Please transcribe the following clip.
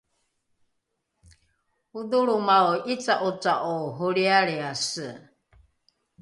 odholromao ’ica’oca’o holrialriase